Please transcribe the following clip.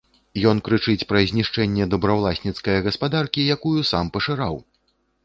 Ён крычыць пра знішчэнне дробнаўласніцкае гаспадаркі, якую сам пашыраў!